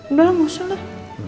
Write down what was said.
udah lah gak usah lah